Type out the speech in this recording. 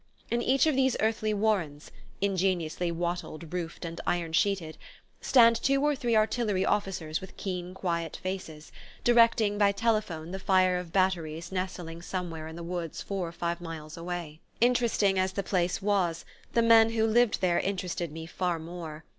In each of these earthly warrens (ingeniously wattled, roofed and iron sheeted) stand two or three artillery officers with keen quiet faces, directing by telephone the fire of batteries nestling somewhere in the woods four or five miles away. Interesting as the place was, the men who lived there interested me far more.